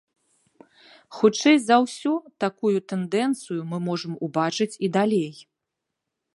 Хутчэй за ўсё, такую тэндэнцыю мы можам убачыць і далей.